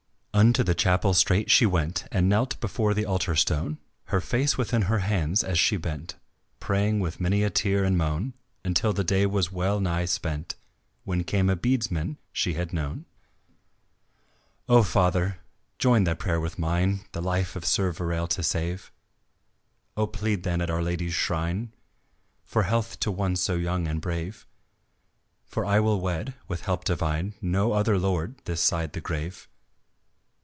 Unto the chapel straight she went And knelt before the altar stone; Her face within her hands she bent Praying with many a tear and moan Until the day was well nigh spent, When came a beadsman she had known; "O! Father! join thy prayer with mine The life of Sir Verale to save; O! plead then at our Lady's shrine For health to one so young and brave. For I will wed, with help divine, No other lord this side the grave."